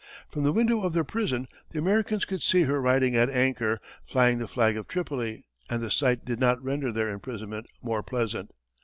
From the window of their prison, the Americans could see her riding at anchor, flying the flag of Tripoli, and the sight did not render their imprisonment more pleasant.